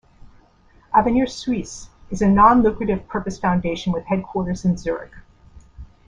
Avenir Suisse is a non-lucrative purpose foundation with headquarters in Zurich.